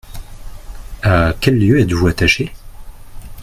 À quel lieu êtes-vous attaché ?